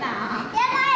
やばい！